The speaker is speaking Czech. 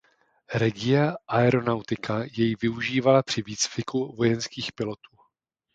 Regia Aeronautica jej využívala při výcviku vojenských pilotů.